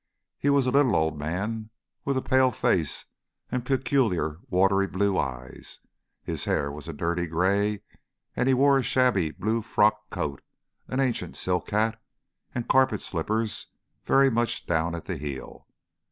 He was a little old man, with pale face and peculiar watery blue eyes; his hair was a dirty grey, and he wore a shabby blue frock coat, an ancient silk hat, and carpet slippers very much down at heel.